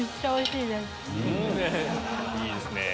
いいですね！